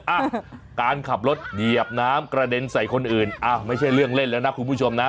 อ่ะการขับรถเหยียบน้ำกระเด็นใส่คนอื่นอ้าวไม่ใช่เรื่องเล่นแล้วนะคุณผู้ชมนะ